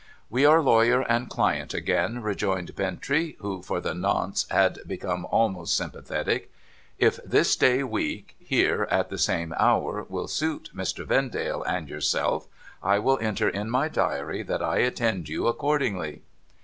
' We are lawyer and client again,' rejoined Bintrey, who, for the nonce, had become almost sympathetic. ' If this day week — here, at the same hour — will suit Mr. Vendale and yourself, I will enter in my Diary that I attend you accordingly.'